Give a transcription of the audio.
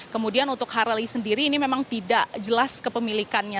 kemudian untuk harley sendiri ini memang tidak jelas kepemilikannya